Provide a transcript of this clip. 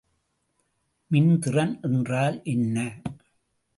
மின்திறன் என்றால் என்ன?